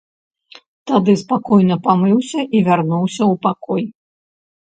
Тады спакойна памыўся і вярнуўся ў пакой.